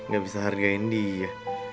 gak bisa hargain dia